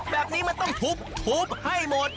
แบบนี้มันต้องทุบให้หมด